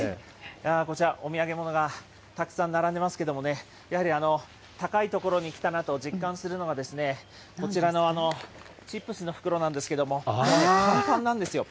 こちら、お土産物がたくさん並んでますけれどもね、やはり高い所に来たなと実感するのがですね、こちらのチップスの袋なんですけれども、ぱんぱんなんですよ。